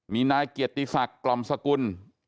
มีนายเกียรติศักดิ์กล่อมสกุล